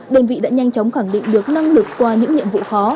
đơn vị đã nhanh chóng khẳng định được năng lực qua những nhiệm vụ khó